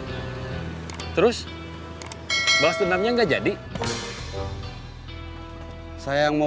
ada temennya yang waktu itu ngalahin anak buah kang remon